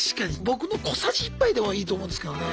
僕の小さじ１杯でもいいと思うんですけどね。